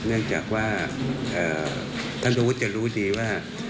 เนื่องจากว่าท่านรู้จะรู้ดีว่า